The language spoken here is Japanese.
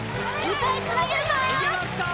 歌いつなげるか？